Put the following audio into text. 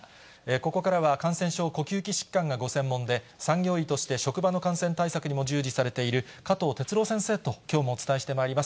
ここからは、感染症、呼吸器疾患がご専門で、産業医として職場の感染対策にも従事されている、加藤哲朗先生ときょうもお伝えしてまいります。